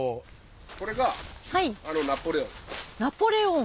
これがナポレオン。